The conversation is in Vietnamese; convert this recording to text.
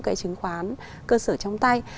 cái chứng khoán cơ sở trong tay